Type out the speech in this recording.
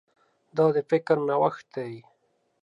دا د فکر نوښت دی.